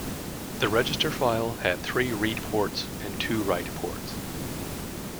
The register file had three read ports and two write ports.